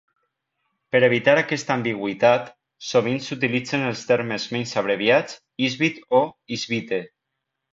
Per evitar aquesta ambigüitat, sovint s'utilitzen els termes menys abreviats "Isbit" o "Isbyte".